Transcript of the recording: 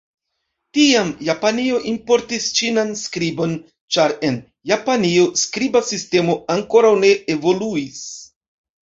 Tiam Japanio importis Ĉinan skribon, ĉar en Japanio skriba sistemo ankoraŭ ne evoluis.